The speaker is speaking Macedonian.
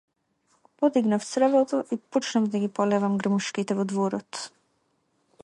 Го подигнав цревото и почнав да ги полевам грмушките во дворот.